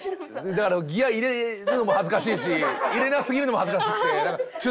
だからギア入れるのも恥ずかしいし入れなすぎるのも恥ずかしくて。